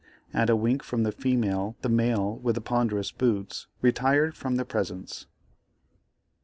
At a wink from the female, the male with the ponderous boots retired from the presence.